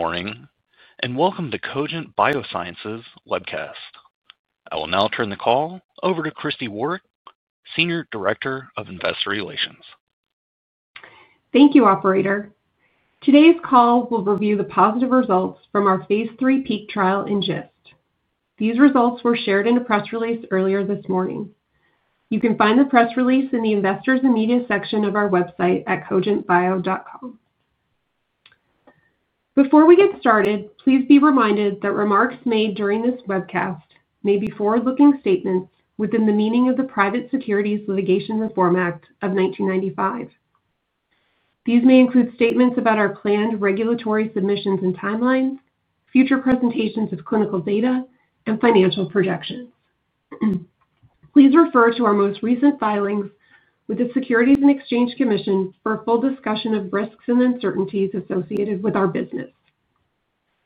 Morning, and welcome to Cogent Biosciences webcast. I will now turn the call over to Christi Waarich, Senior Director of Investor Relations. Thank you, Operator. Today's call will review the positive results from our Phase III PEAK trial in GIST. These results were shared in a press release earlier this morning. You can find the press release in the Investors and Media section of our website at cogentbio.com. Before we get started, please be reminded that remarks made during this webcast may be forward-looking statements within the meaning of the Private Securities Litigation Reform Act of 1995. These may include statements about our planned regulatory submissions and timelines, future presentations of clinical data, and financial projections. Please refer to our most recent filings with the Securities and Exchange Commission for a full discussion of risks and uncertainties associated with our business.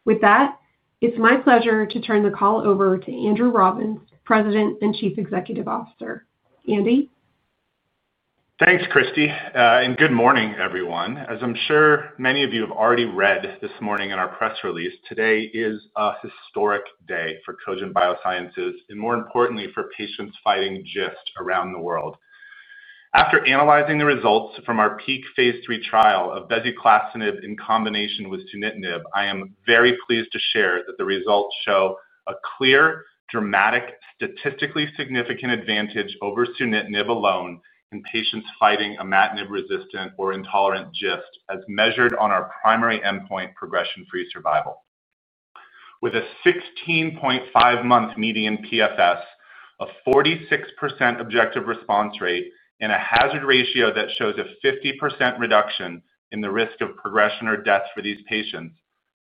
With that, it's my pleasure to turn the call over to Andrew Robbins, President and Chief Executive Officer. Andy? Thanks, Christi, and good morning, everyone. As I'm sure many of you have already read this morning in our press release, today is a historic day for Cogent Biosciences and, more importantly, for patients fighting GIST around the world. After analyzing the results from our PEAK Phase III trial of bezuclastinib in combination with sunitinib, I am very pleased to share that the results show a clear, dramatic, statistically significant advantage over sunitinib alone in patients fighting imatinib-resistant or intolerant GIST, as measured on our primary endpoint, progression-free survival. With a 16.5-month median PFS, a 46% objective response rate, and a hazard ratio that shows a 50% reduction in the risk of progression or death for these patients,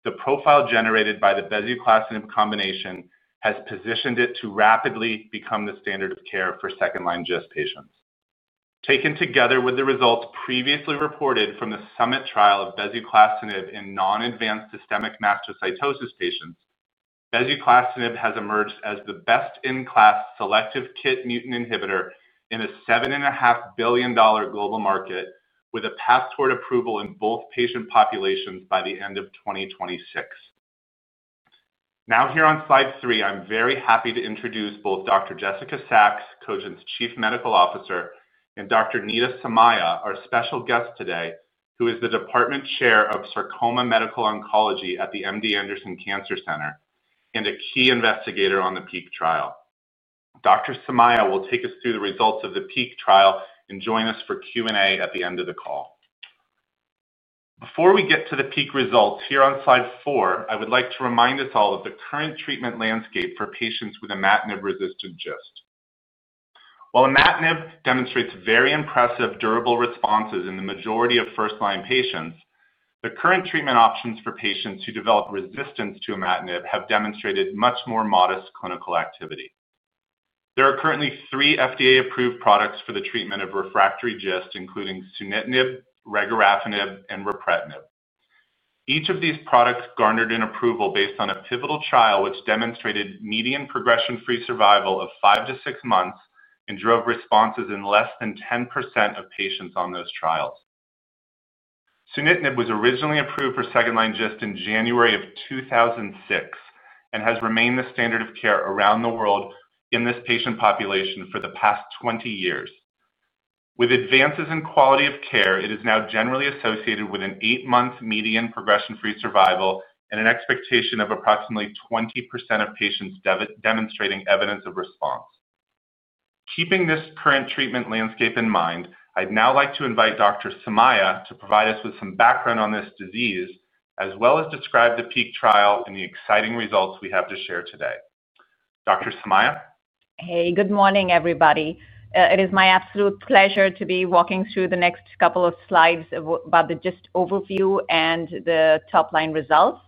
the profile generated by the bezuclastinib combination has positioned it to rapidly become the standard of care for second-line GIST patients. Taken together with the results previously reported from the SUMMIT trial of bezuclastinib in non-advanced systemic mastocytosis patients, bezuclastinib has emerged as the best-in-class selective KIT mutant inhibitor in a $7.5 billion global market, with a path toward approval in both patient populations by the end of 2026. Now, here on slide 3, I'm very happy to introduce both Dr. Jessica Sachs, Cogent's Chief Medical Officer, and Dr. Neeta Somaiah, our special guest today, who is the Department Chair of Sarcoma Medical Oncology at the MD Anderson Cancer Center and a key investigator on the PEAK trial. Dr. Somaiah will take us through the results of the PEAK trial and join us for Q&A at the end of the call. Before we get to the PEAK results, here on slide 4, I would like to remind us all of the current treatment landscape for patients with imatinib-resistant GIST. While imatinib demonstrates very impressive durable responses in the majority of first-line patients, the current treatment options for patients who develop resistance to imatinib have demonstrated much more modest clinical activity. There are currently three FDA-approved products for the treatment of refractory GIST, including sunitinib, regorafenib, and ripretinib. Each of these products garnered an approval based on a pivotal trial which demonstrated median progression-free survival of 5-6 months and drove responses in less than 10% of patients on those trials. Sunitinib was originally approved for second-line GIST in January of 2006 and has remained the standard of care around the world in this patient population for the past 20 years. With advances in quality of care, it is now generally associated with an 8-month median progression-free survival and an expectation of approximately 20% of patients demonstrating evidence of response. Keeping this current treatment landscape in mind, I'd now like to invite Dr. Somaiah to provide us with some background on this disease, as well as describe the PEAK trial and the exciting results we have to share today. Dr. Somaiah? Hey, good morning, everybody. It is my absolute pleasure to be walking through the next couple of slides about the GIST overview and the top-line results.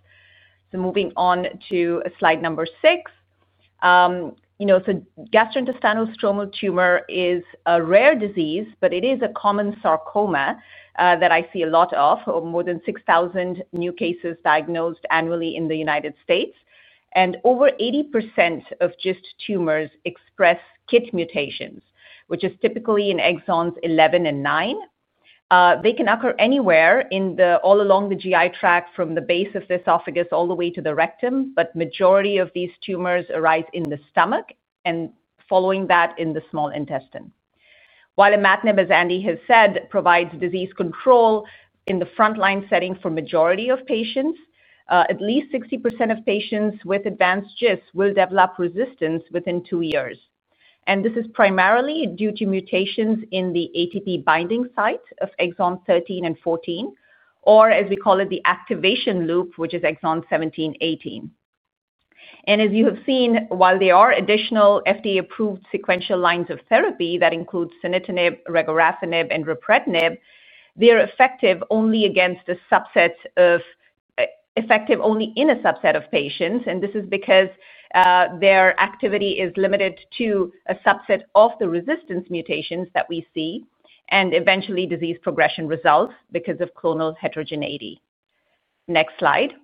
Moving on to slide number 6. You know, gastrointestinal stromal tumor is a rare disease, but it is a common sarcoma that I see a lot of, more than 6,000 new cases diagnosed annually in the United States. Over 80% of GIST tumors express KIT mutations, which is typically in exons 11 and 9. They can occur anywhere all along the GI tract, from the base of the esophagus all the way to the rectum, but the majority of these tumors arise in the stomach and, following that, in the small intestine. While imatinib, as Andy has said, provides disease control in the front-line setting for the majority of patients, at least 60% of patients with advanced GIST will develop resistance within two years. This is primarily due to mutations in the ATP binding site of exon 13 and 14, or, as we call it, the activation loop, which is exon 17, 18. As you have seen, while there are additional FDA-approved sequential lines of therapy that include sunitinib, regorafenib, and ripretinib, they are effective only in a subset of patients, and this is because their activity is limited to a subset of the resistance mutations that we see and, eventually, disease progression results because of clonal heterogeneity. Next slide.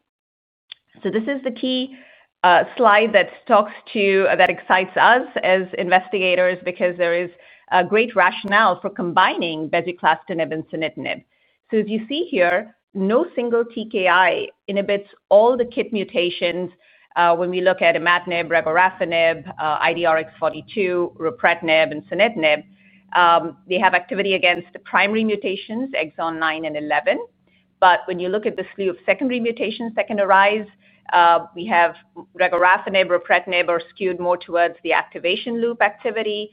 This is the key slide that talks to that excites us as investigators because there is a great rationale for combining bezuclastinib and sunitinib. As you see here, no single TKI inhibits all the KIT mutations when we look at imatinib, regorafenib, IDRX-42, ripretinib, and sunitinib. They have activity against the primary mutations, exon 9 and 11, but when you look at the slew of secondary mutations that can arise, we have Regorafenib, Ripretinib are skewed more towards the activation loop activity,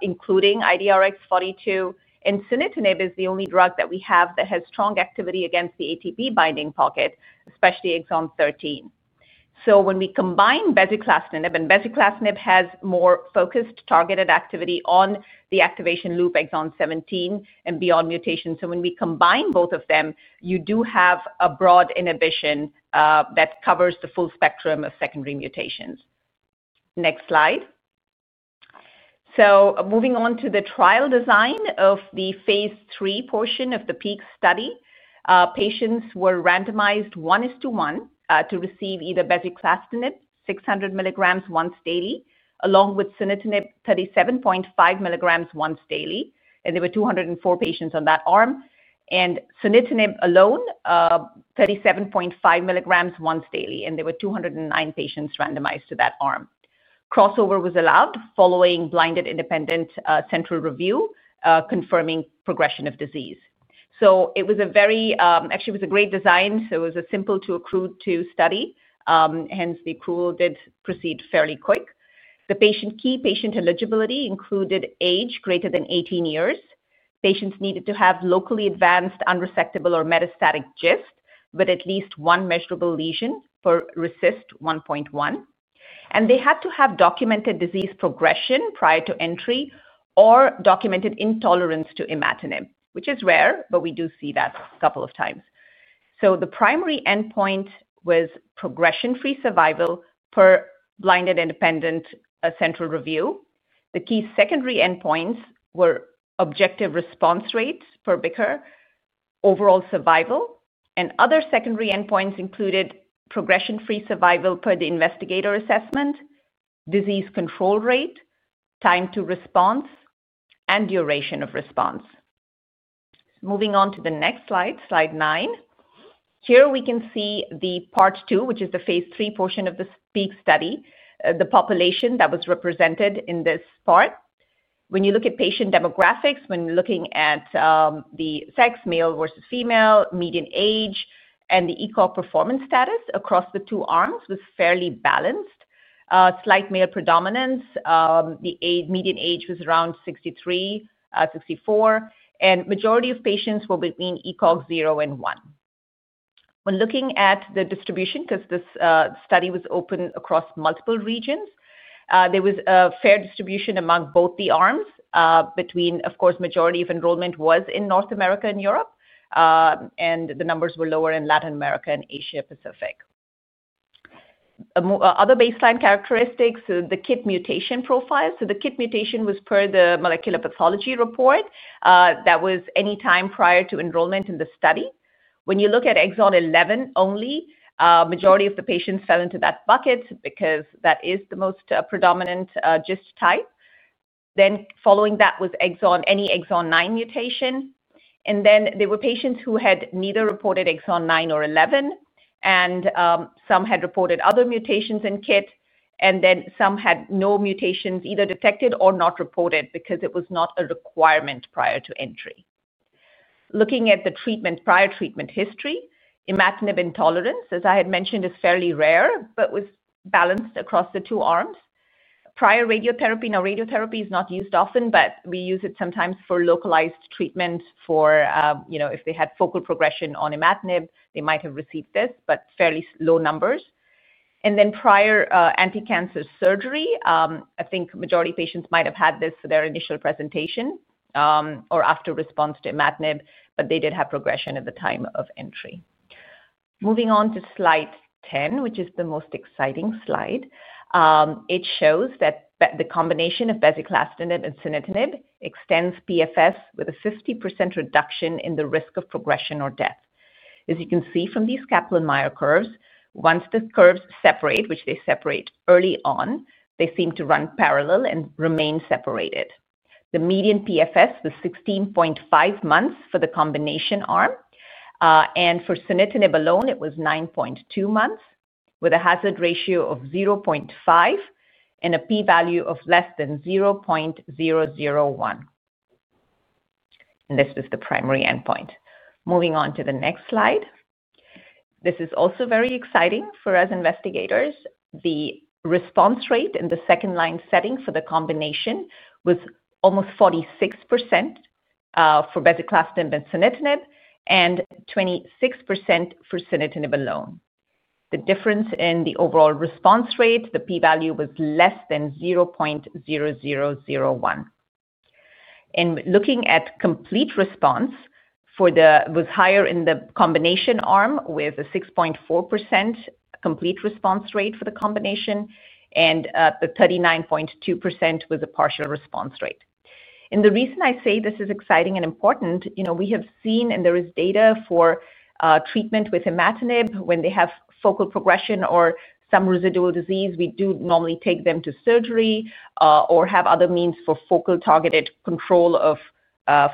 including IDRX-42, and sunitinib is the only drug that we have that has strong activity against the ATP binding pocket, especially exon 13. When we combine bezuclastinib, and bezuclastinib has more focused, targeted activity on the activation loop, exon 17, and beyond mutation. When we combine both of them, you do have a broad inhibition that covers the full spectrum of secondary mutations. Next slide. Moving on to the trial design of the Phase III portion of the PEAK Study, patients were randomized 1:1 to receive either bezuclastinib 600 mg once daily, along with sunitinib 37.5 mg once daily, and there were 204 patients on that arm, and sunitinib alone, 37.5 mg once daily, and there were 209 patients randomized to that arm. Crossover was allowed following blinded independent central review confirming progression of disease. It was a very, actually, it was a great design. It was a simple-to-accrue-to study, hence the accrual did proceed fairly quick. The key patient eligibility included age greater than 18 years. Patients needed to have locally advanced, unresectable, or metastatic GIST, but at least one measurable lesion for RECIST 1.1. They had to have documented disease progression prior to entry or documented intolerance to imatinib, which is rare, but we do see that a couple of times. The primary endpoint was progression-free survival per blinded independent central review. The key secondary endpoints were objective response rates per BICR, overall survival, and other secondary endpoints included progression-free survival per the investigator assessment, disease control rate, time to response, and duration of response. Moving on to the next slide, slide 9. Here, we can see the part 2, which is the Phase III portion of the PEAK study, the population that was represented in this part. When you look at patient demographics, when looking at the sex, male versus female, median age, and the ECOG performance status across the two arms was fairly balanced, slight male predominance. The median age was around 63, 64, and the majority of patients were between ECOG 0 and 1. When looking at the distribution, because this study was open across multiple regions, there was a fair distribution among both the arms between, of course, the majority of enrollment was in North America and Europe, and the numbers were lower in Latin America and Asia Pacific. Other baseline characteristics, the KIT mutation profile. So, the KIT mutation was per the Molecular Pathology Report. That was any time prior to enrollment in the study. When you look at exon 11 only, the majority of the patients fell into that bucket because that is the most predominant GIST type. Then, following that was any exon 9 mutation. There were patients who had neither reported exon 9 or 11, and some had reported other mutations in KIT, and then some had no mutations either detected or not reported because it was not a requirement prior to entry. Looking at the prior treatment history, imatinib intolerance, as I had mentioned, is fairly rare but was balanced across the two arms. Prior radiotherapy, now radiotherapy is not used often, but we use it sometimes for localized treatment for, you know, if they had focal progression on imatinib, they might have received this, but fairly low numbers. Prior anti-cancer surgery, I think the majority of patients might have had this for their initial presentation or after response to imatinib, but they did have progression at the time of entry. Moving on to slide 10, which is the most exciting slide. It shows that the combination of bezuclastinib and sunitinib extends PFS with a 50% reduction in the risk of progression or death. As you can see from these Kaplan-Meier curves, once the curves separate, which they separate early on, they seem to run parallel and remain separated. The median PFS was 16.5 months for the combination arm, and for sunitinib alone, it was 9.2 months with a hazard ratio of 0.5 and a p-value of less than 0.001. This was the primary endpoint. Moving on to the next slide. This is also very exciting for us investigators. The response rate in the second-line setting for the combination was almost 46% for bezuclastinib and sunitinib, and 26% for sunitinib alone. The difference in the overall response rate, the p-value was less than 0.0001. Looking at complete response, it was higher in the combination arm with a 6.4% complete response rate for the combination, and 39.2% was a partial response rate. The reason I say this is exciting and important, you know, we have seen, and there is data for treatment with imatinib, when they have focal progression or some residual disease, we do normally take them to surgery or have other means for focal targeted control of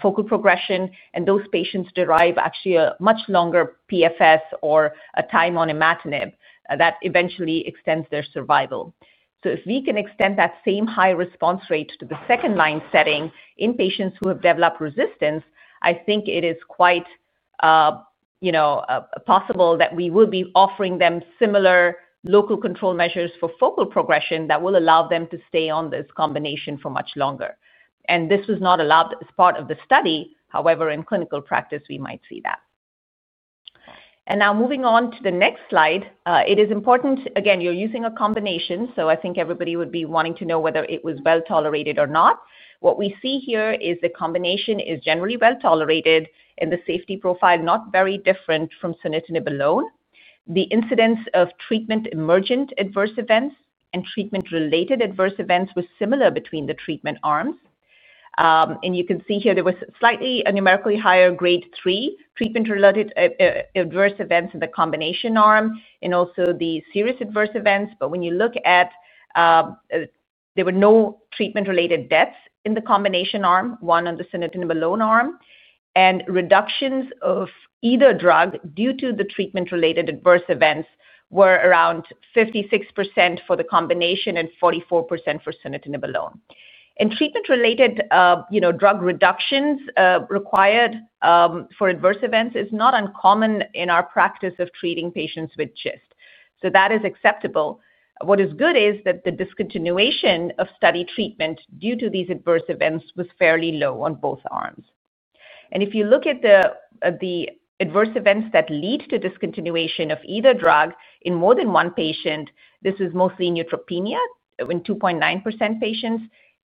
focal progression, and those patients derive actually a much longer PFS or a time on imatinib that eventually extends their survival. If we can extend that same high response rate to the second-line setting in patients who have developed resistance, I think it is quite, you know, possible that we will be offering them similar local control measures for focal progression that will allow them to stay on this combination for much longer. This was not allowed as part of the study; however, in clinical practice, we might see that. Now, moving on to the next slide, it is important, again, you're using a combination, so I think everybody would be wanting to know whether it was well tolerated or not. What we see here is the combination is generally well tolerated, and the safety profile is not very different from sunitinib alone. The incidence of treatment emergent adverse events and treatment-related adverse events was similar between the treatment arms. You can see here there was slightly numerically higher grade 3 treatment-related adverse events in the combination arm and also the serious adverse events, but when you look at there were no treatment-related deaths in the combination arm, one on the sunitinib alone arm, and reductions of either drug due to the treatment-related adverse events were around 56% for the combination and 44% for sunitinib alone. Treatment-related, you know, drug reductions required for adverse events is not uncommon in our practice of treating patients with GIST. That is acceptable. What is good is that the discontinuation of study treatment due to these adverse events was fairly low on both arms. If you look at the adverse events that lead to discontinuation of either drug in more than one patient, this was mostly neutropenia in 2.9% patients,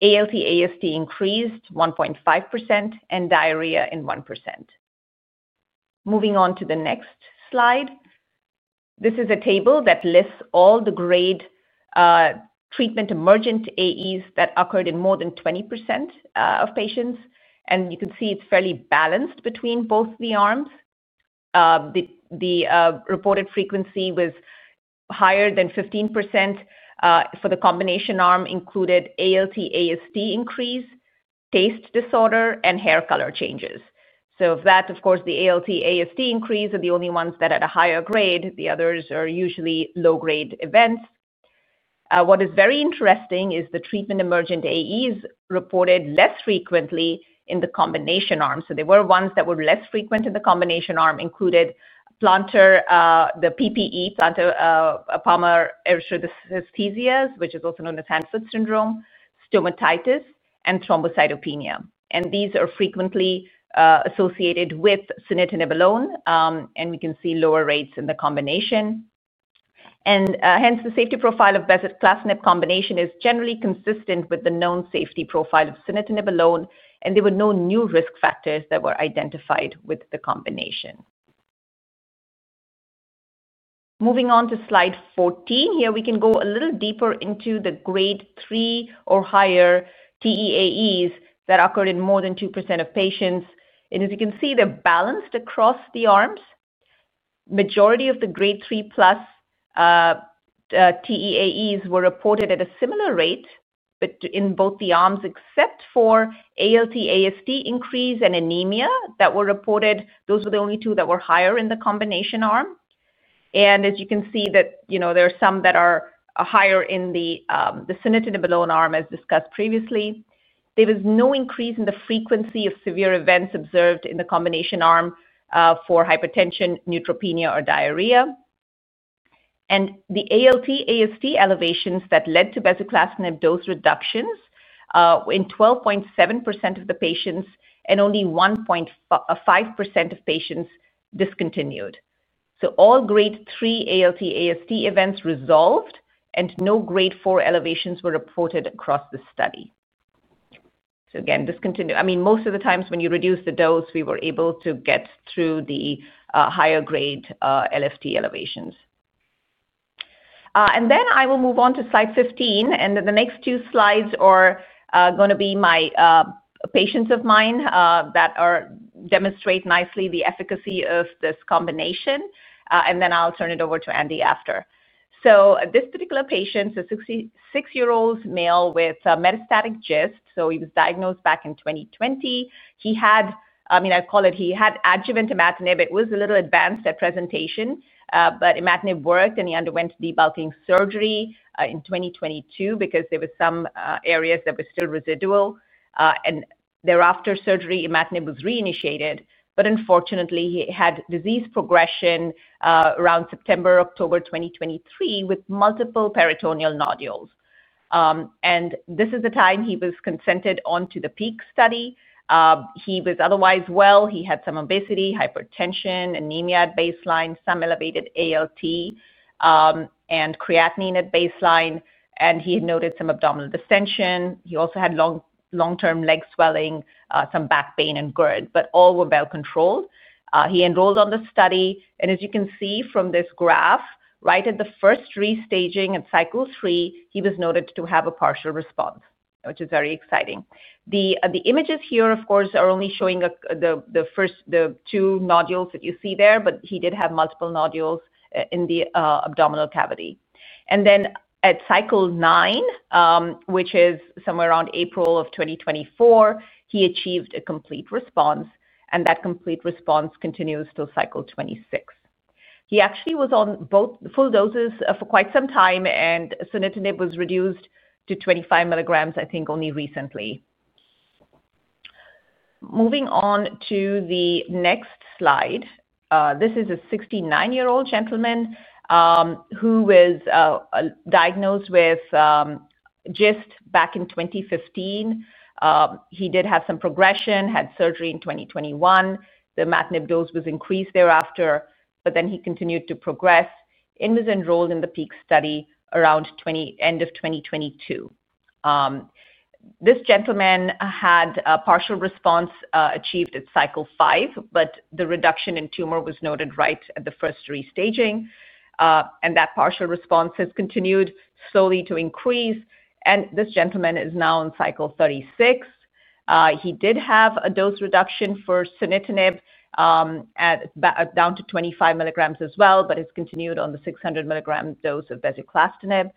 ALT/AST increased 1.5%, and diarrhea in 1%. Moving on to the next slide. This is a table that lists all the grade treatment emergent AEs that occurred in more than 20% of patients, and you can see it's fairly balanced between both the arms. The reported frequency was higher than 15% for the combination arm, included ALT/AST increase, taste disorder, and hair color changes. Of that, of course, the ALT/AST increase are the only ones that are at a higher grade. The others are usually low-grade events. What is very interesting is the treatment emergent AEs reported less frequently in the combination arm. There were ones that were less frequent in the combination arm, including palmar-plantar erythrodysesthesia, the PPE, which is also known as hand-foot syndrome, stomatitis, and thrombocytopenia. These are frequently associated with sunitinib alone, and we can see lower rates in the combination. Hence, the safety profile of bezuclastinib combination is generally consistent with the known safety profile of sunitinib alone, and there were no new risk factors that were identified with the combination. Moving on to slide 14, here we can go a little deeper into the grade 3 or higher TEAEs that occurred in more than 2% of patients. As you can see, they're balanced across the arms. The majority of the grade 3+ TEAEs were reported at a similar rate in both the arms, except for ALT/AST increase and anemia that were reported. Those were the only two that were higher in the combination arm. As you can see, you know, there are some that are higher in the sunitinib alone arm, as discussed previously. There was no increase in the frequency of severe events observed in the combination arm for hypertension, neutropenia, or diarrhea. The ALT/AST elevations that led to bezuclastinib dose reductions were in 12.7% of the patients, and only 1.5% of patients discontinued. All grade 3 ALT/AST events resolved, and no grade 4 elevations were reported across the study. Again, discontinued, I mean, most of the times when you reduce the dose, we were able to get through the higher grade LFT elevations. I will move on to slide 15, and the next two slides are going to be my patients of mine that demonstrate nicely the efficacy of this combination, and then I'll turn it over to Andy after. This particular patient is a 66-year-old male with metastatic GIST. He was diagnosed back in 2020. He had, I mean, I'd call it he had adjuvant imatinib. It was a little advanced at presentation, but imatinib worked, and he underwent debulking surgery in 2022 because there were some areas that were still residual. Thereafter surgery, imatinib was reinitiated, but unfortunately, he had disease progression around September/October 2023 with multiple peritoneal nodules. This is the time he was consented onto the PEAK Study. He was otherwise well. He had some obesity, hypertension, anemia at baseline, some elevated ALT, and creatinine at baseline, and he had noted some abdominal distension. He also had long-term leg swelling, some back pain, and GERD, but all were well controlled. He enrolled on the study, and as you can see from this graph, right at the first restaging at cycle 3, he was noted to have a partial response, which is very exciting. The images here, of course, are only showing the two nodules that you see there, but he did have multiple nodules in the abdominal cavity. At cycle 9, which is somewhere around April of 2024, he achieved a complete response, and that complete response continues till cycle 26. He actually was on both full doses for quite some time, and sunitinib was reduced to 25 mg, I think, only recently. Moving on to the next slide. This is a 69-year-old gentleman who was diagnosed with GIST back in 2015. He did have some progression, had surgery in 2021. The imatinib dose was increased thereafter, but then he continued to progress and was enrolled in the PEAK Study around end of 2022. This gentleman had a partial response achieved at cycle 5, but the reduction in tumor was noted right at the first restaging, and that partial response has continued slowly to increase, and this gentleman is now in cycle 36. He did have a dose reduction for sunitinib down to 25 mg as well, but has continued on the 600 mg dose of bezuclastinib.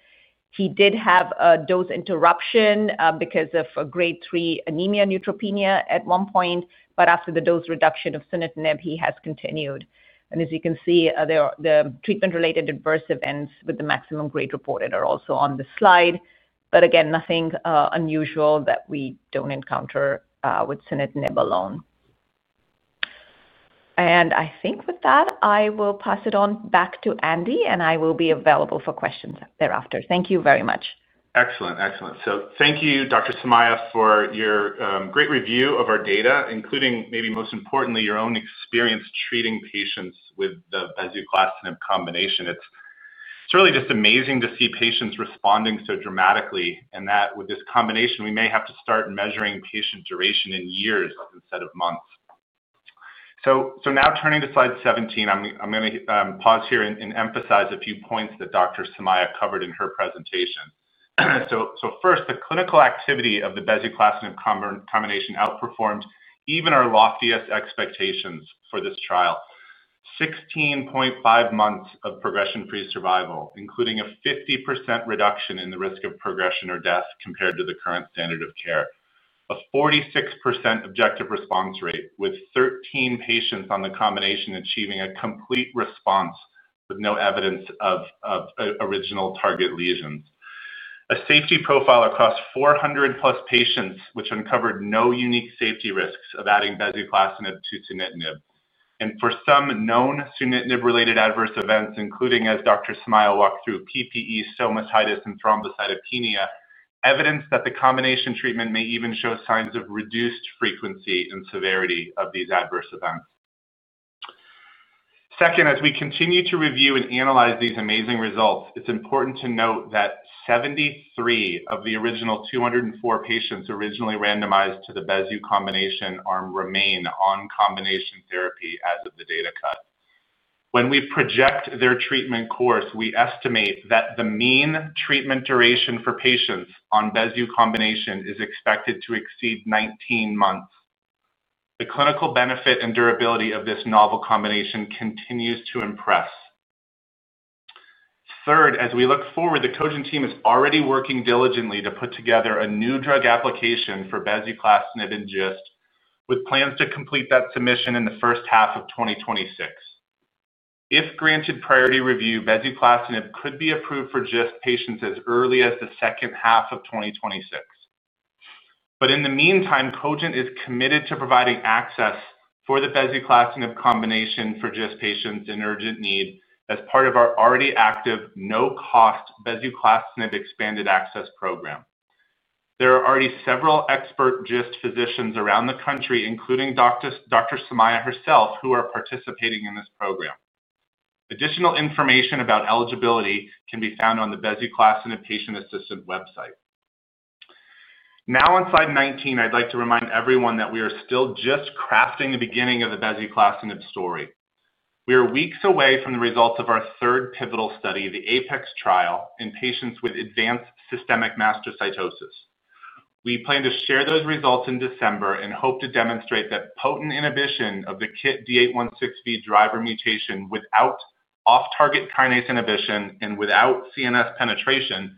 He did have a dose interruption because of grade 3 anemia neutropenia at one point, but after the dose reduction of sunitinib, he has continued. As you can see, the treatment-related adverse events with the maximum grade reported are also on the slide, but again, nothing unusual that we do not encounter with sunitinib alone. I think with that, I will pass it on back to Andy, and I will be available for questions thereafter. Thank you very much. Excellent, excellent. Thank you, Dr. Somaiah, for your great review of our data, including maybe most importantly, your own experience treating patients with the bezuclastinib combination. It's really just amazing to see patients responding so dramatically, and that with this combination, we may have to start measuring patient duration in years instead of months. Now turning to slide 17, I'm going to pause here and emphasize a few points that Dr. Somaiah covered in her presentation. First, the clinical activity of the bezuclastinib combination outperformed even our loftiest expectations for this trial: 16.5 months of progression-free survival, including a 50% reduction in the risk of progression or death compared to the current standard of care, a 46% objective response rate with 13 patients on the combination achieving a complete response with no evidence of original target lesions, a safety profile across 400+ patients, which uncovered no unique safety risks of adding bezuclastinib to sunitinib, and for some known sunitinib-related adverse events, including, as Dr. Somaiah walked through, PPE, stomatitis, and thrombocytopenia, evidence that the combination treatment may even show signs of reduced frequency and severity of these adverse events. Second, as we continue to review and analyze these amazing results, it's important to note that 73 of the original 204 patients originally randomized to the bezu combination arm remain on combination therapy as of the data cut. When we project their treatment course, we estimate that the mean treatment duration for patients on bezu combination is expected to exceed 19 months. The clinical benefit and durability of this novel combination continues to impress. Third, as we look forward, the Cogent team is already working diligently to put together a new drug application for bezuclastinib and GIST, with plans to complete that submission in the first half of 2026. If granted priority review, bezuclastinib could be approved for GIST patients as early as the second half of 2026. In the meantime, Cogent is committed to providing access for the bezuclastinib combination for GIST patients in urgent need as part of our already active no-cost bezuclastinib expanded access program. There are already several expert GIST physicians around the country, including Dr. Somaiah herself, who are participating in this program. Additional information about eligibility can be found on the bezuclastinib patient assistant website. Now, on slide 19, I'd like to remind everyone that we are still just crafting the beginning of the bezuclastinib story. We are weeks away from the results of our third pivotal study, the APEX trial, in patients with advanced systemic mastocytosis. We plan to share those results in December and hope to demonstrate that potent inhibition of the KIT D816V driver mutation without off-target kinase inhibition and without CNS penetration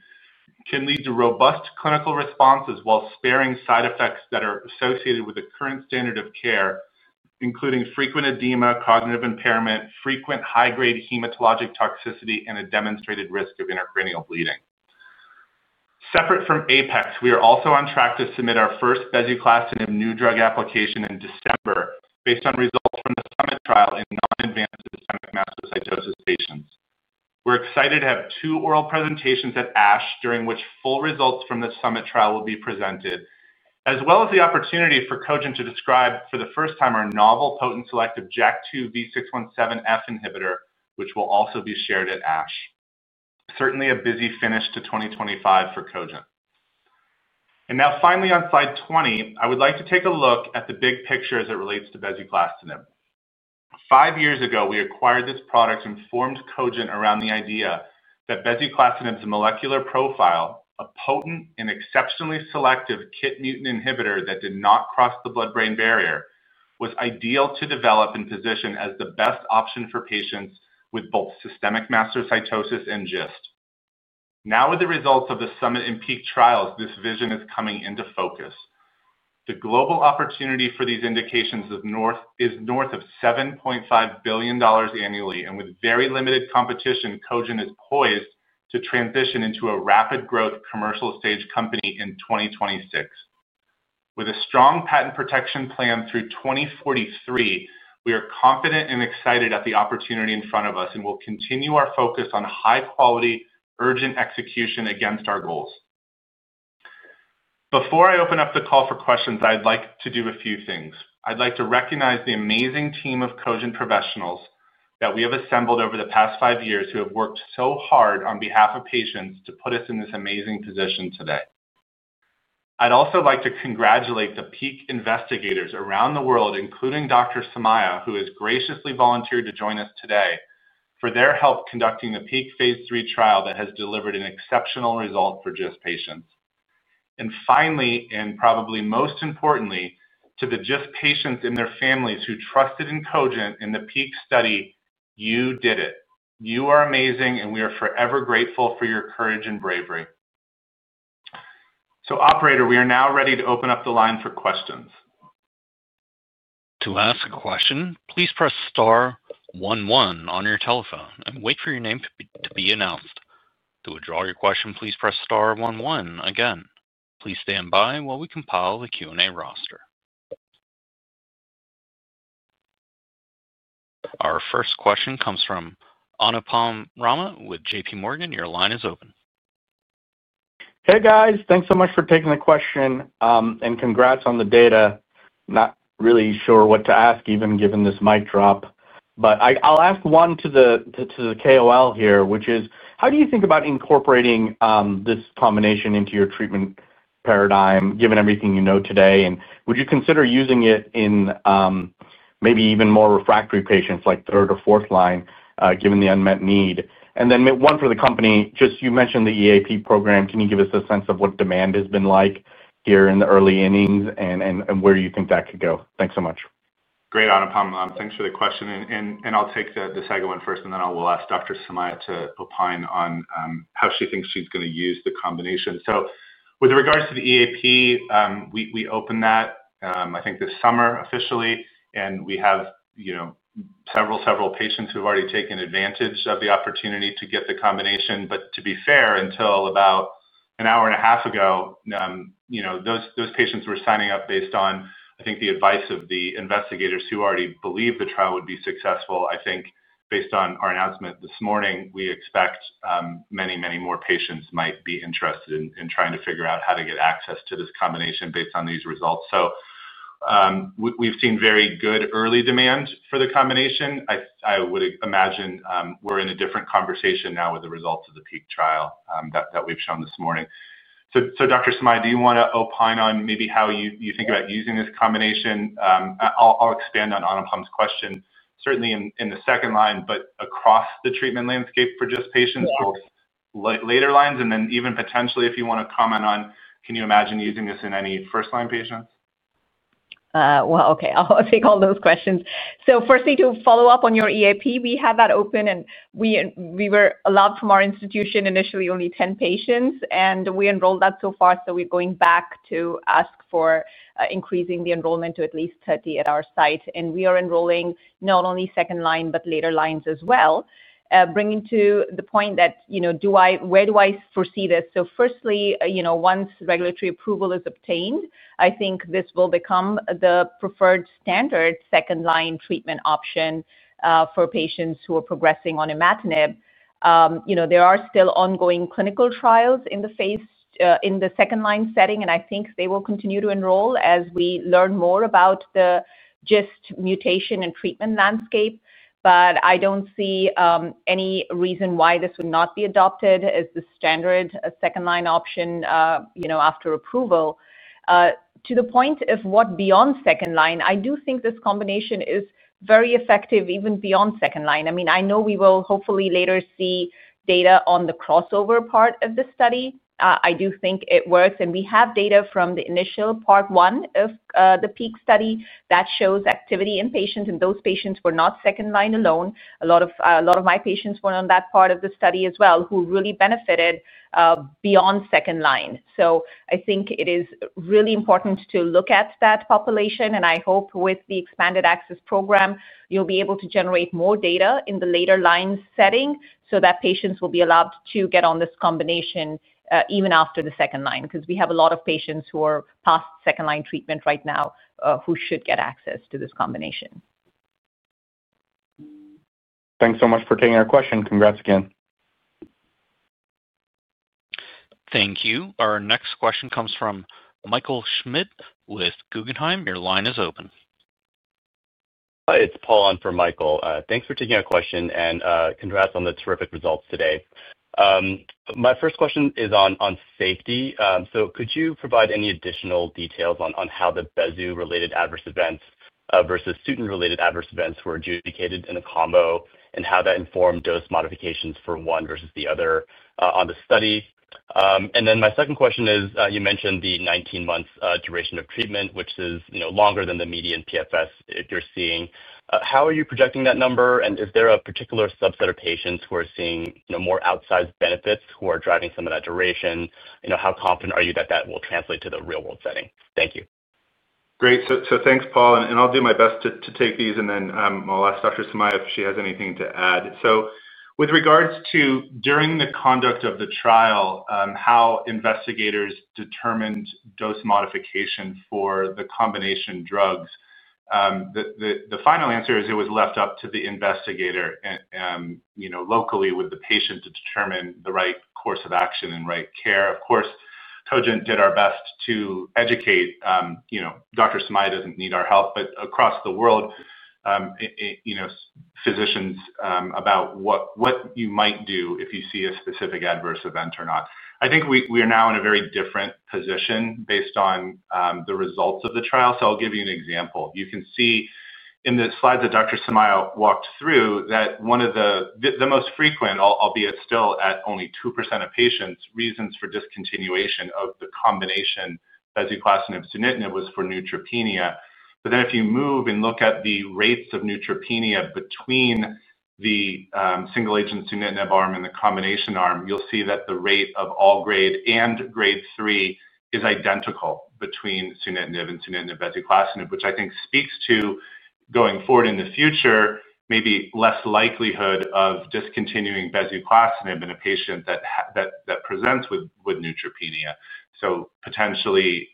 can lead to robust clinical responses while sparing side effects that are associated with the current standard of care, including frequent edema, cognitive impairment, frequent high-grade hematologic toxicity, and a demonstrated risk of intracranial bleeding. Separate from APEX, we are also on track to submit our first bezuclastinib new drug application in December based on results from the SUMMIT trial in non-advanced systemic mastocytosis patients. We're excited to have two oral presentations at ASH, during which full results from the SUMMIT trial will be presented, as well as the opportunity for Cogent to describe for the first time our novel potent selective JAK2 V617F inhibitor, which will also be shared at ASH. Certainly a busy finish to 2025 for Cogent. Finally, on slide 20, I would like to take a look at the big picture as it relates to bezuclastinib. Five years ago, we acquired this product and formed Cogent around the idea that bezuclastinib's molecular profile, a potent and exceptionally selective KIT-mutant inhibitor that did not cross the blood-brain barrier, was ideal to develop and position as the best option for patients with both systemic mastocytosis and GIST. Now, with the results of the SUMMIT and PEAK trials, this vision is coming into focus. The global opportunity for these indications is north of $7.5 billion annually, and with very limited competition, Cogent is poised to transition into a rapid-growth commercial stage company in 2026. With a strong patent protection plan through 2043, we are confident and excited at the opportunity in front of us, and we will continue our focus on high-quality, urgent execution against our goals. Before I open up the call for questions, I'd like to do a few things. I'd like to recognize the amazing team of Cogent professionals that we have assembled over the past five years who have worked so hard on behalf of patients to put us in this amazing position today. I'd also like to congratulate the PEAK investigators around the world, including Dr. Somaiah, who has graciously volunteered to join us today for their help conducting the PEAK Phase III trial that has delivered an exceptional result for GIST patients. Finally, and probably most importantly, to the GIST patients and their families who trusted in Cogent in the PEAK study, you did it. You are amazing, and we are forever grateful for your courage and bravery. Operator, we are now ready to open up the line for questions. To ask a question, please press star one one on your telephone and wait for your name to be announced. To withdraw your question, please press star one one again. Please stand by while we compile the Q&A roster. Our first question comes from Anupam Rama with JPMorgan. Your line is open. Hey, guys. Thanks so much for taking the question, and congrats on the data. Not really sure what to ask, even given this mic drop, but I'll ask one to the KOL here, which is, how do you think about incorporating this combination into your treatment paradigm, given everything you know today, and would you consider using it in maybe even more refractory patients, like third or fourth line, given the unmet need? And then one for the company, just you mentioned the EAP program. Can you give us a sense of what demand has been like here in the early innings and where you think that could go? Thanks so much. Great, Anupam. Thanks for the question, and I'll take the second one first, and then I will ask Dr. Somaiah to opine on how she thinks she's going to use the combination. With regards to the EAP, we opened that, I think, this summer officially, and we have several, several patients who have already taken advantage of the opportunity to get the combination. To be fair, until about an hour and a half ago, those patients were signing up based on, I think, the advice of the investigators who already believe the trial would be successful. I think, based on our announcement this morning, we expect many, many more patients might be interested in trying to figure out how to get access to this combination based on these results. We've seen very good early demand for the combination. I would imagine we're in a different conversation now with the results of the PEAK trial that we've shown this morning. Dr. Somaiah, do you want to opine on maybe how you think about using this combination? I'll expand on Anupam's question, certainly in the second line, but across the treatment landscape for GIST patients for later lines, and then even potentially, if you want to comment on, can you imagine using this in any first-line patients? Okay, I'll take all those questions. Firstly, to follow up on your EAP, we have that open, and we were allowed from our institution initially only 10 patients, and we enrolled that so far, so we're going back to ask for increasing the enrollment to at least 30 at our site, and we are enrolling not only second line, but later lines as well, bringing to the point that, where do I foresee this? Firstly, once regulatory approval is obtained, I think this will become the preferred standard second-line treatment option for patients who are progressing on imatinib. There are still ongoing clinical trials in the second-line setting, and I think they will continue to enroll as we learn more about the GIST mutation and treatment landscape, but I don't see any reason why this would not be adopted as the standard second-line option after approval. To the point of what beyond second line, I do think this combination is very effective even beyond second line. I mean, I know we will hopefully later see data on the crossover part of this study. I do think it works, and we have data from the initial part one of the PEAK study that shows activity in patients, and those patients were not second line alone. A lot of my patients were on that part of the study as well, who really benefited beyond second line. I think it is really important to look at that population, and I hope with the expanded access program, you'll be able to generate more data in the later lines setting so that patients will be allowed to get on this combination even after the second line, because we have a lot of patients who are past second-line treatment right now who should get access to this combination. Thanks so much for taking our question. Congrats again. Thank you. Our next question comes from Michael Schmidt with Guggenheim. Your line is open. It's Paul from Michael. Thanks for taking our question, and congrats on the terrific results today. My first question is on safety. Could you provide any additional details on how the bezu-related adverse events versus suit-related adverse events were adjudicated in a combo, and how that informed dose modifications for one versus the other on the study? My second question is, you mentioned the 19-month duration of treatment, which is longer than the median PFS that you're seeing. How are you projecting that number, and is there a particular subset of patients who are seeing more outsized benefits who are driving some of that duration? How confident are you that that will translate to the real-world setting? Thank you. Great. Thanks, Paul, and I'll do my best to take these, and then I'll ask Dr. Somaiah if she has anything to add. With regards to during the conduct of the trial, how investigators determined dose modification for the combination drugs, the final answer is it was left up to the investigator locally with the patient to determine the right course of action and right care. Of course, Cogent did our best to educate. Dr. Somaiah does not need our help, but across the world, physicians about what you might do if you see a specific adverse event or not. I think we are now in a very different position based on the results of the trial, so I will give you an example. You can see in the slides that Dr. Somaiah walked through that one of the most frequent, albeit still at only 2% of patients, reasons for discontinuation of the combination bezuclastinib-sunitinib was for neutropenia. If you move and look at the rates of neutropenia between the single-agent sunitinib arm and the combination arm, you'll see that the rate of all grade and grade 3 is identical between sunitinib and sunitinib-bezuclastinib, which I think speaks to going forward in the future, maybe less likelihood of discontinuing bezuclastinib in a patient that presents with neutropenia. Potentially,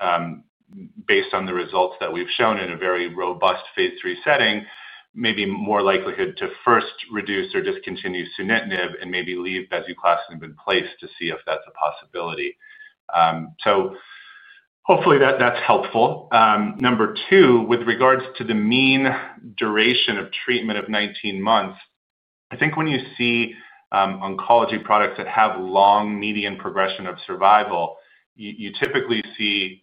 based on the results that we've shown in a very robust Phase III setting, maybe more likelihood to first reduce or discontinue sunitinib and maybe leave bezuclastinib in place to see if that's a possibility. Hopefully, that's helpful. Number two, with regards to the mean duration of treatment of 19 months, I think when you see oncology products that have long median progression-free survival, you typically see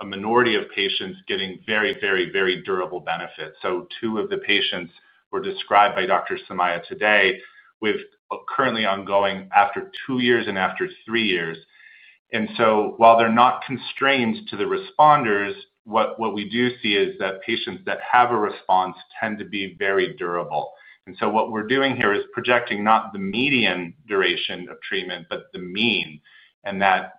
a minority of patients getting very, very, very durable benefits. Two of the patients were described by Dr. Somaiah today with currently ongoing after two years and after three years. While they're not constrained to the responders, what we do see is that patients that have a response tend to be very durable. What we're doing here is projecting not the median duration of treatment, but the mean, and that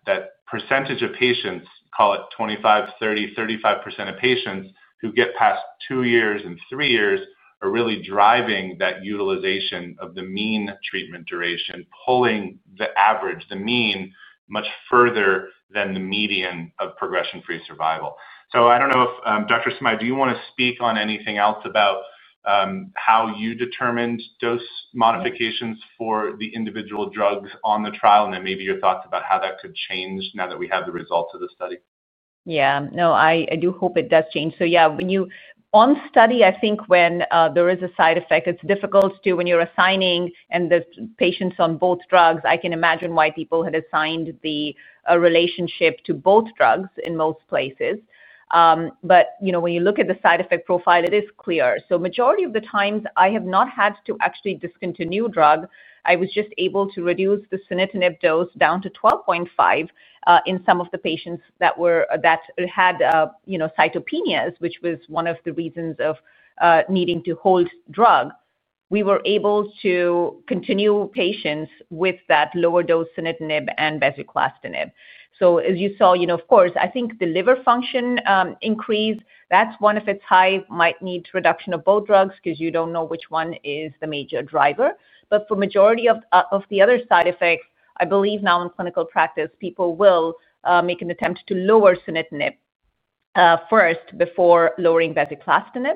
percentage of patients, call it 25%, 30%, 35% of patients who get past two years and three years are really driving that utilization of the mean treatment duration, pulling the average, the mean, much further than the median of progression-free survival. I don't know if Dr. Somaiah, do you want to speak on anything else about how you determined dose modifications for the individual drugs on the trial, and then maybe your thoughts about how that could change now that we have the results of the study? Yeah. No, I do hope it does change. So, yeah, when you on study, I think when there is a side effect, it's difficult to when you're assigning and there's patients on both drugs, I can imagine why people had assigned the relationship to both drugs in most places. But when you look at the side effect profile, it is clear. So, majority of the times, I have not had to actually discontinue drug. I was just able to reduce the sunitinib dose down to 12.5 in some of the patients that had cytopenias, which was one of the reasons of needing to hold drug. We were able to continue patients with that lower dose sunitinib and bezuclastinib. As you saw, of course, I think the liver function increased. That is one, if it is high, might need reduction of both drugs because you do not know which one is the major driver. For the majority of the other side effects, I believe now in clinical practice, people will make an attempt to lower sunitinib first before lowering bezuclastinib.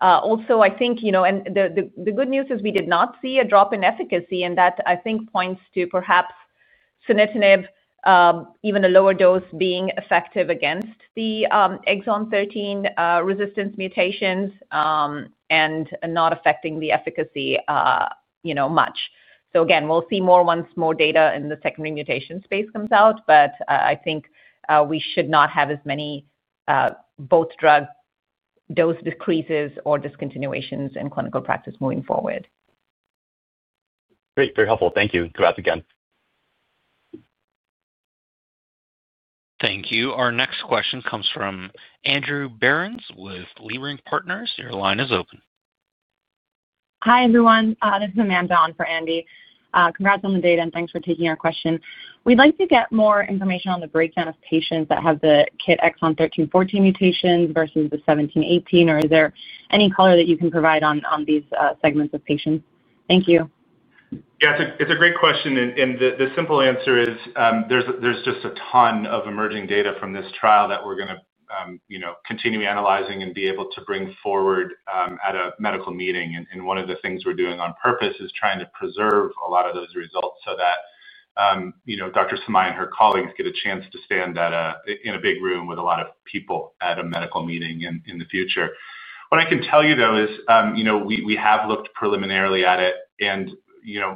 Also, I think, and the good news is we did not see a drop in efficacy, and that I think points to perhaps sunitinib, even a lower dose, being effective against the exon 13 resistance mutations and not affecting the efficacy much. We will see more once more data in the secondary mutation space comes out, but I think we should not have as many both drug dose decreases or discontinuations in clinical practice moving forward. Great. Very helpful. Thank you. Congrats again. Thank you. Our next question comes from Andrew Berens with Leerink Partners. Your line is open. Hi, everyone. This is Amanda on for Andy. Congrats on the data, and thanks for taking our question. We'd like to get more information on the breakdown of patients that have the KIT exon 13, 14 mutations versus the 17, 18, or is there any color that you can provide on these segments of patients? Thank you. Yeah, it's a great question, and the simple answer is there's just a ton of emerging data from this trial that we're going to continue analyzing and be able to bring forward at a medical meeting. One of the things we're doing on purpose is trying to preserve a lot of those results so that Dr. Somaiah and her colleagues get a chance to stand in a big room with a lot of people at a medical meeting in the future. What I can tell you, though, is we have looked preliminarily at it, and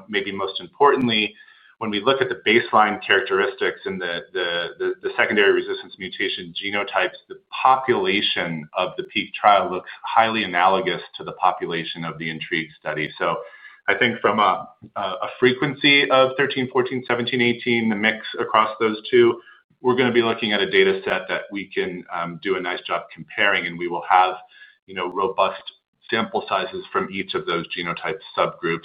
maybe most importantly, when we look at the baseline characteristics and the secondary resistance mutation genotypes, the population of the PEAK trial looks highly analogous to the population of the INTRIGUE study. I think from a frequency of 13, 14, 17, 18, the mix across those two, we're going to be looking at a dataset that we can do a nice job comparing, and we will have robust sample sizes from each of those genotype subgroups.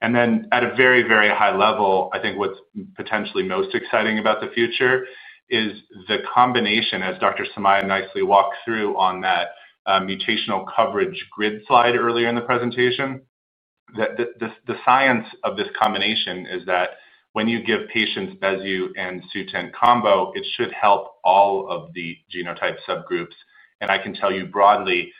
At a very, very high level, I think what's potentially most exciting about the future is the combination, as Dr. Somaiah nicely walked through on that mutational coverage grid slide earlier in the presentation, that the science of this combination is that when you give patients bezu and suit-combo, it should help all of the genotype subgroups. And I can tell you broadly,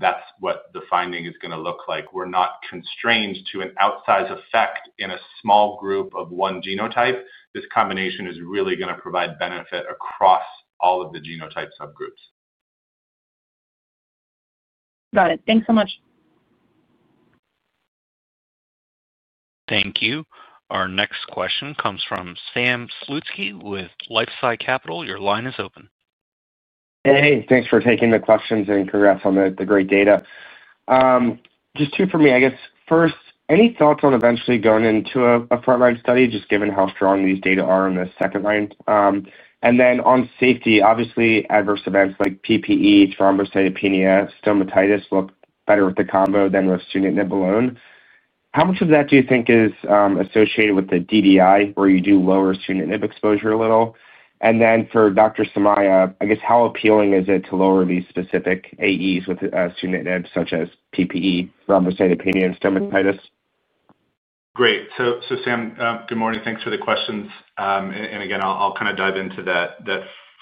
that's what the finding is going to look like. We're not constrained to an outsized effect in a small group of one genotype. This combination is really going to provide benefit across all of the genotype subgroups. Got it. Thanks so much. Thank you. Our next question comes from Sam Slutsky with LifeSci Capital. Your line is open. Hey, thanks for taking the questions, and congrats on the great data. Just two for me. I guess, first, any thoughts on eventually going into a front-line study, just given how strong these data are in the second line? On safety, obviously, adverse events like PPE, thrombocytopenia, stomatitis look better with the combo than with sunitinib alone. How much of that do you think is associated with the DDI, where you do lower sunitinib exposure a little? For Dr. Somaiah, I guess, how appealing is it to lower these specific AEs with sunitinib such as PPE, thrombocytopenia, and stomatitis? Great. Sam, good morning. Thanks for the questions. Again, I'll kind of dive into that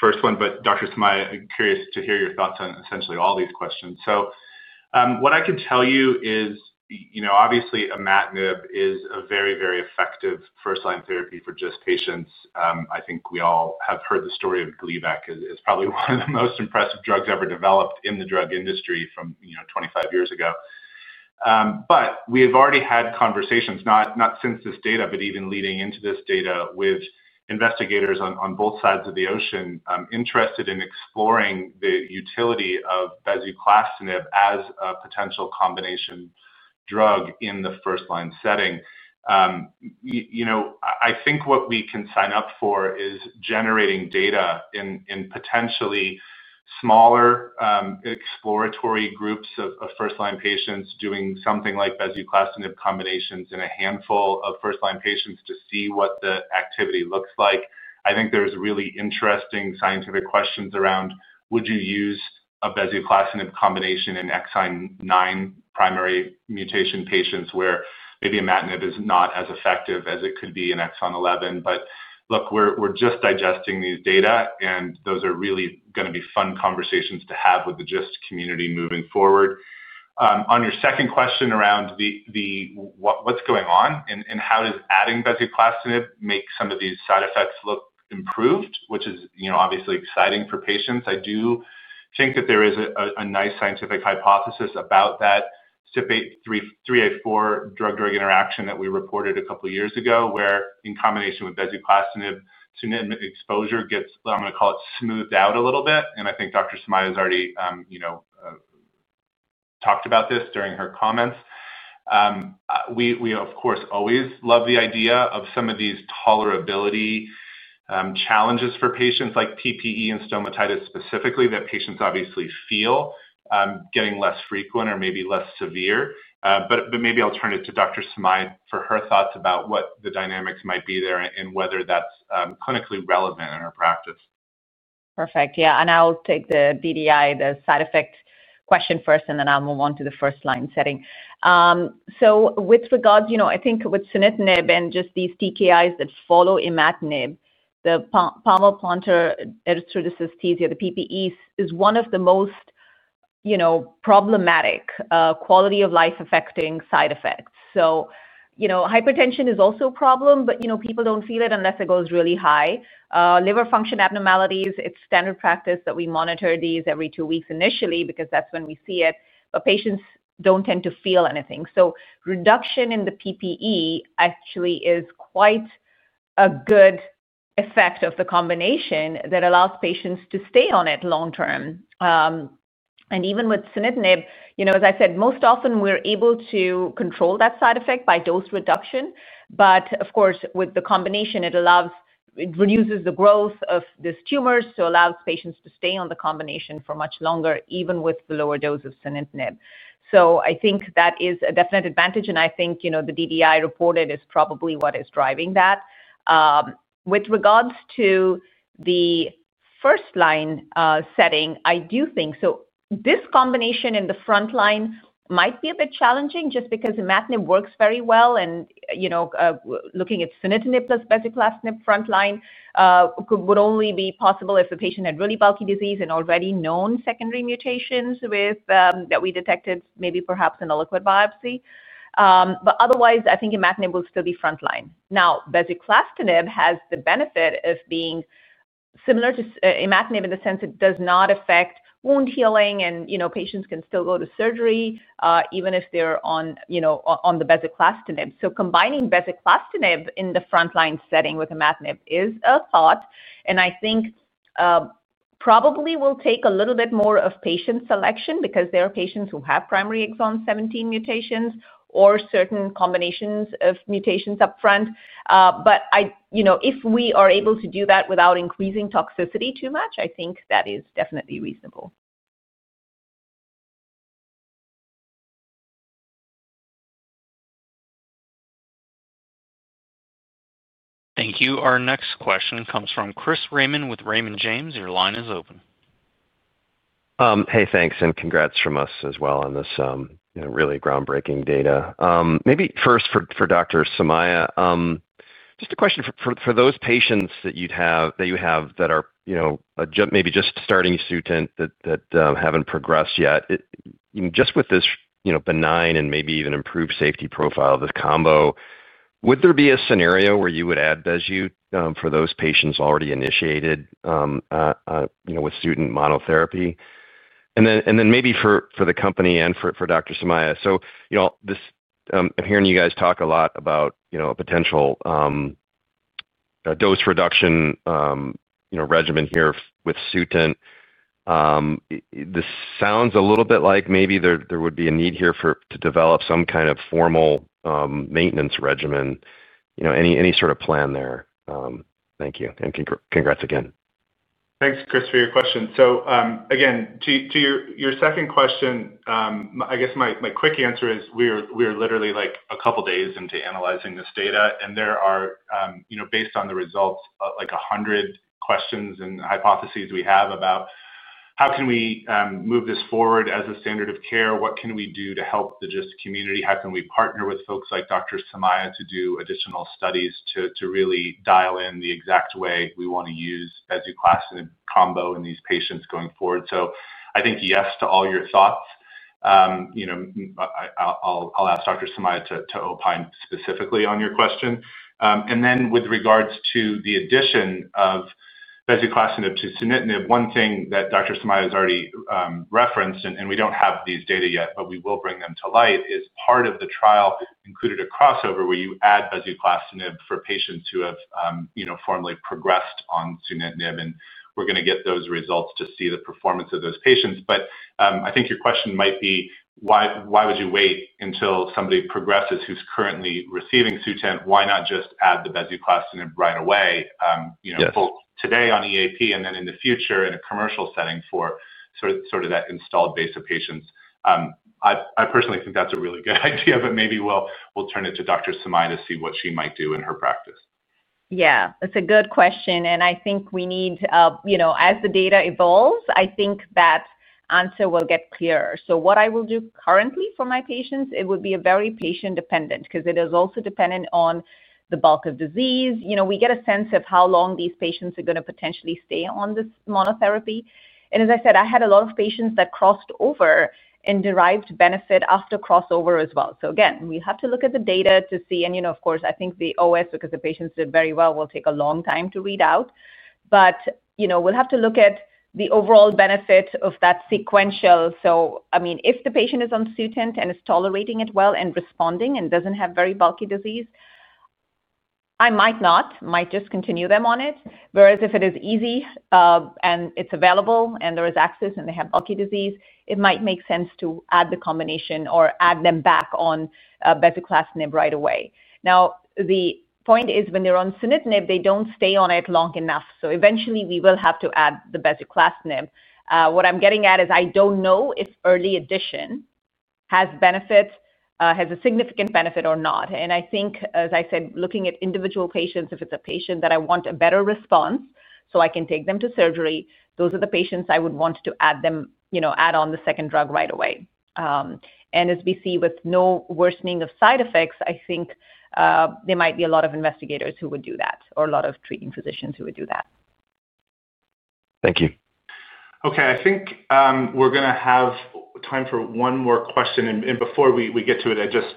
first one, but Dr. Somaiah, I'm curious to hear your thoughts on essentially all these questions. What I can tell you is, obviously, imatinib is a very, very effective first-line therapy for GIST patients. I think we all have heard the story of Gleevec. It's probably one of the most impressive drugs ever developed in the drug industry from 25 years ago. We have already had conversations, not since this data, but even leading into this data with investigators on both sides of the ocean interested in exploring the utility of bezuclastinib as a potential combination drug in the first-line setting. I think what we can sign up for is generating data in potentially smaller exploratory groups of first-line patients doing something like bezuclastinib combinations in a handful of first-line patients to see what the activity looks like. I think there's really interesting scientific questions around, would you use a bezuclastinib combination in exon 9 primary mutation patients where maybe imatinib is not as effective as it could be in exon 11? Look, we're just digesting these data, and those are really going to be fun conversations to have with the GIST community moving forward. On your second question around what's going on and how does adding bezuclastinib make some of these side effects look improved, which is obviously exciting for patients, I do think that there is a nice scientific hypothesis about that CYP3A4 drug-drug interaction that we reported a couple of years ago where, in combination with bezuclastinib, sunitinib exposure gets, I'm going to call it, smoothed out a little bit. I think Dr. Somaiah has already talked about this during her comments. We, of course, always love the idea of some of these tolerability challenges for patients like PPE and stomatitis specifically that patients obviously feel getting less frequent or maybe less severe. Maybe I'll turn it to Dr. Somaiah for her thoughts about what the dynamics might be there and whether that's clinically relevant in her practice. Perfect. Yeah. I'll take the DDI, the side effect question first, and then I'll move on to the first-line setting. With regards, I think with sunitinib and just these TKIs that follow imatinib, the palmar-plantar erythrodysesthesia, the PPEs, is one of the most problematic quality-of-life-affecting side effects. Hypertension is also a problem, but people do not feel it unless it goes really high. Liver function abnormalities, it is standard practice that we monitor these every two weeks initially because that is when we see it, but patients do not tend to feel anything. Reduction in the PPE actually is quite a good effect of the combination that allows patients to stay on it long-term. Even with sunitinib, as I said, most often we are able to control that side effect by dose reduction. Of course, with the combination, it reduces the growth of these tumors, so it allows patients to stay on the combination for much longer, even with the lower dose of sunitinib. I think that is a definite advantage, and I think the DDI reported is probably what is driving that. With regards to the first-line setting, I do think this combination in the front line might be a bit challenging just because imatinib works very well. Looking at sunitinib plus bezuclastinib front line would only be possible if the patient had really bulky disease and already known secondary mutations that we detected maybe perhaps in a liquid biopsy. Otherwise, I think imatinib will still be front line. Now, bezuclastinib has the benefit of being similar to imatinib in the sense it does not affect wound healing, and patients can still go to surgery even if they're on the bezuclastinib. Combining bezuclastinib in the front line setting with imatinib is a thought, and I think probably will take a little bit more of patient selection because there are patients who have primary exon 17 mutations or certain combinations of mutations upfront. If we are able to do that without increasing toxicity too much, I think that is definitely reasonable. Thank you. Our next question comes from Chris Raymond with Raymond James. Your line is open. Hey, thanks, and congrats from us as well on this really groundbreaking data. Maybe first for Dr. Somaiah, just a question for those patients that you have that are maybe just starting sunitinib that haven't progressed yet. Just with this benign and maybe even improved safety profile of this combo, would there be a scenario where you would add bezu for those patients already initiated with sunitinib monotherapy? Maybe for the company and for Dr. Somaiah. I'm hearing you guys talk a lot about a potential dose reduction regimen here with sunitinib. This sounds a little bit like maybe there would be a need here to develop some kind of formal maintenance regimen. Any sort of plan there? Thank you. Congrats again. Thanks, Chris, for your question. Again, to your second question, I guess my quick answer is we are literally a couple of days into analyzing this data, and there are, based on the results, like 100 questions and hypotheses we have about how can we move this forward as a standard of care, what can we do to help the GIST community, how can we partner with folks like Dr. Somaiah to do additional studies to really dial in the exact way we want to use bezuclastinib combo in these patients going forward. I think yes to all your thoughts. I'll ask Dr. Somaiah to opine specifically on your question. With regards to the addition of bezuclastinib to sunitinib, one thing that Dr. Somaiah has already referenced, and we don't have these data yet, but we will bring them to light, is part of the trial included a crossover where you add bezuclastinib for patients who have formally progressed on sunitinib, and we're going to get those results to see the performance of those patients. I think your question might be, why would you wait until somebody progresses who's currently receiving sunitinib? Why not just add the bezuclastinib right away, both today on EAP and then in the future in a commercial setting for sort of that installed base of patients? I personally think that's a really good idea, but maybe we'll turn it to Dr. Somaiah to see what she might do in her practice. Yeah. It's a good question, and I think we need, as the data evolves, I think that answer will get clearer. What I will do currently for my patients, it would be very patient-dependent because it is also dependent on the bulk of disease. We get a sense of how long these patients are going to potentially stay on this monotherapy. As I said, I had a lot of patients that crossed over and derived benefit after crossover as well. We have to look at the data to see. I think the OS, because the patients did very well, will take a long time to read out. We will have to look at the overall benefit of that sequential. I mean, if the patient is on sunitinib and is tolerating it well and responding and does not have very bulky disease, I might just continue them on it. Whereas if it is easy and it's available and there is access and they have bulky disease, it might make sense to add the combination or add them back on bezuclastinib right away. The point is when they're on sunitinib, they don't stay on it long enough. Eventually, we will have to add the bezuclastinib. What I'm getting at is I don't know if early addition has a significant benefit or not. I think, as I said, looking at individual patients, if it's a patient that I want a better response so I can take them to surgery, those are the patients I would want to add on the second drug right away. As we see with no worsening of side effects, I think there might be a lot of investigators who would do that or a lot of treating physicians who would do that. Thank you. Okay. I think we're going to have time for one more question. Before we get to it, I just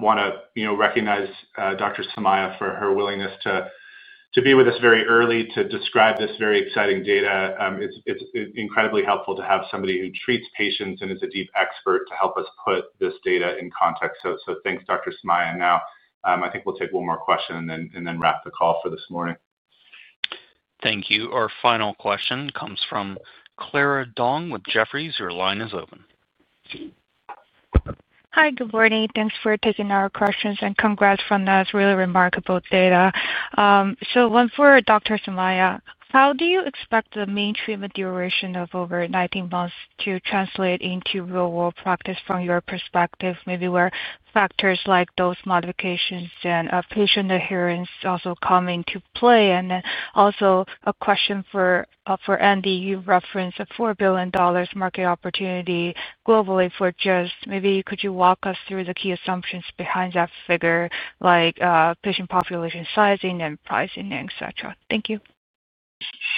want to recognize Dr. Somaiah for her willingness to be with us very early to describe this very exciting data. It's incredibly helpful to have somebody who treats patients and is a deep expert to help us put this data in context. Thanks, Dr. Somaiah. Now, I think we'll take one more question and then wrap the call for this morning. Thank you. Our final question comes from Clara Dong with Jefferies. Your line is open. Hi. Good morning. Thanks for taking our questions and congrats from that. It's really remarkable data. One for Dr. Somaiah. How do you expect the main treatment duration of over 19 months to translate into real-world practice from your perspective? Maybe where factors like dose modifications and patient adherence also come into play. And then also a question for Andy. You referenced a $4 billion market opportunity globally for GIST. Maybe could you walk us through the key assumptions behind that figure, like patient population sizing and pricing, etc.? Thank you.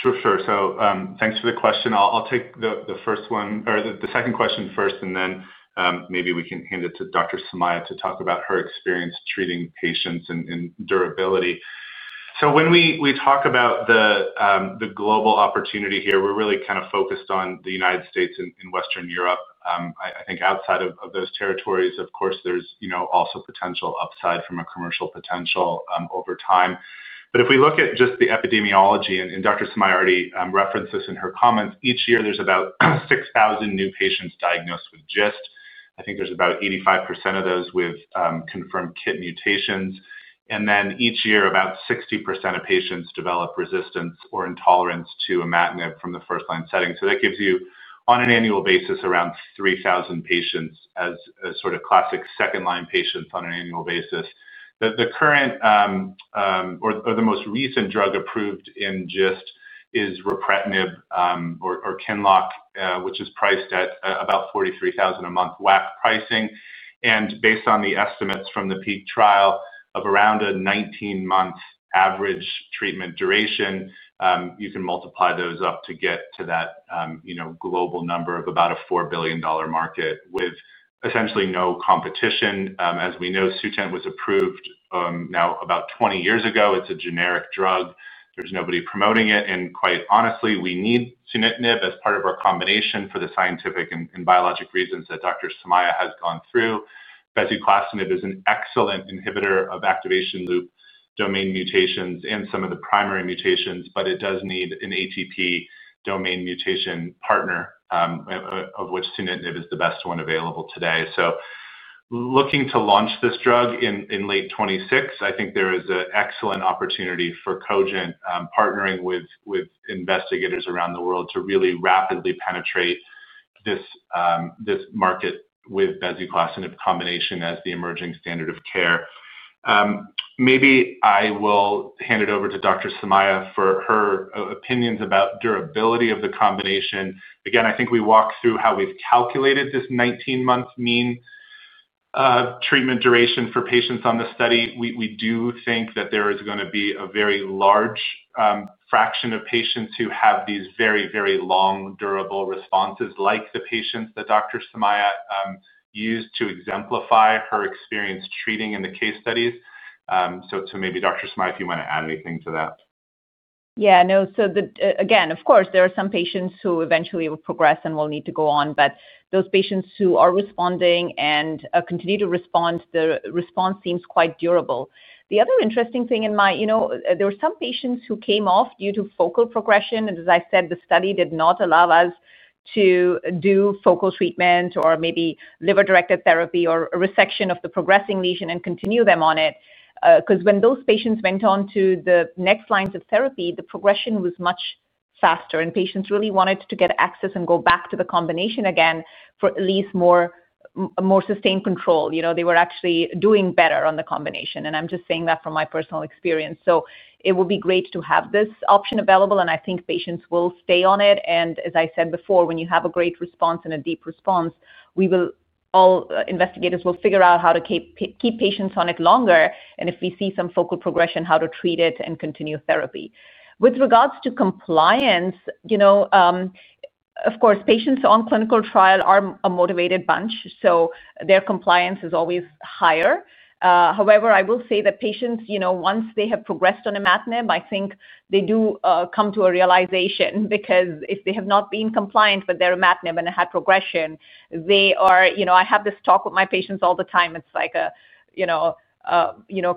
Sure. Sure. So, thanks for the question. I'll take the first one or the second question first, and then maybe we can hand it to Dr. Somaiah to talk about her experience treating patients and durability. When we talk about the global opportunity here, we're really kind of focused on the United States and Western Europe. I think outside of those territories, of course, there's also potential upside from a commercial potential over time. If we look at just the epidemiology, and Dr. Somaiah already referenced this in her comments, each year there's about 6,000 new patients diagnosed with GIST. I think there's about 85% of those with confirmed KIT mutations. And then each year, about 60% of patients develop resistance or intolerance to imatinib from the first-line setting. That gives you, on an annual basis, around 3,000 patients as sort of classic second-line patients on an annual basis. The current or the most recent drug approved in GIST is ripretinib or QINLOCK, which is priced at about $43,000 a month WAC pricing. Based on the estimates from the Phase III PEAK trial of around a 19-month average treatment duration, you can multiply those up to get to that global number of about a $4 billion market with essentially no competition. As we know, sunitinib was approved now about 20 years ago. It's a generic drug. There's nobody promoting it. Quite honestly, we need sunitinib as part of our combination for the scientific and biologic reasons that Dr. Somaiah has gone through. Bezuclastinib is an excellent inhibitor of activation loop domain mutations and some of the primary mutations, but it does need an ATP domain mutation partner, of which sunitinib is the best one available today. Looking to launch this drug in late 2026, I think there is an excellent opportunity for Cogent partnering with investigators around the world to really rapidly penetrate this market with bezuclastinib combination as the emerging standard of care. Maybe I will hand it over to Dr. Somaiah for her opinions about durability of the combination. Again, I think we walked through how we've calculated this 19-month mean treatment duration for patients on the study. We do think that there is going to be a very large fraction of patients who have these very, very long durable responses, like the patients that Dr. Somaiah used to exemplify her experience treating in the case studies. Maybe Dr. Somaiah, if you want to add anything to that. Yeah. No. Again, of course, there are some patients who eventually will progress and will need to go on, but those patients who are responding and continue to respond, the response seems quite durable. The other interesting thing in my, there were some patients who came off due to focal progression. As I said, the study did not allow us to do focal treatment or maybe liver-directed therapy or resection of the progressing lesion and continue them on it because when those patients went on to the next lines of therapy, the progression was much faster. Patients really wanted to get access and go back to the combination again for at least more sustained control. They were actually doing better on the combination. I'm just saying that from my personal experience. It will be great to have this option available, and I think patients will stay on it. As I said before, when you have a great response and a deep response, we all investigators will figure out how to keep patients on it longer. If we see some focal progression, how to treat it and continue therapy. With regards to compliance, of course, patients on clinical trial are a motivated bunch, so their compliance is always higher. However, I will say that patients, once they have progressed on imatinib, I think they do come to a realization because if they have not been compliant with their imatinib and they had progression, I have this talk with my patients all the time. It is like,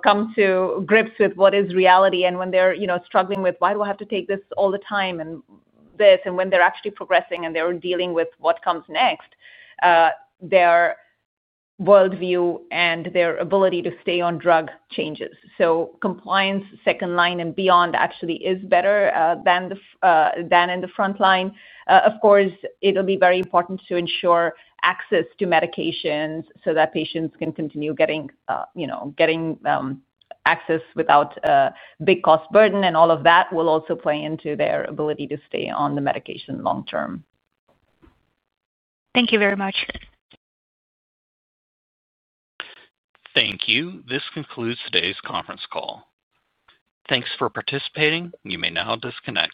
"Come to grips with what is reality." When they are struggling with, "Why do I have to take this all the time and this?" and when they are actually progressing and they are dealing with what comes next, their worldview and their ability to stay on drug changes. Compliance second line and beyond actually is better than in the front line. Of course, it will be very important to ensure access to medications so that patients can continue getting access without a big cost burden, and all of that will also play into their ability to stay on the medication long term. Thank you very much. Thank you. This concludes today's conference call. Thanks for participating. You may now disconnect.